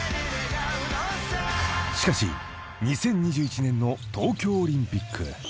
［しかし２０２１年の東京オリンピック］